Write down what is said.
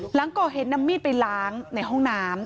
หลังก่อเหตุนำมีดไปล้างในห้องน้ำ